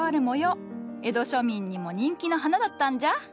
江戸庶民にも人気の花だったんじゃ。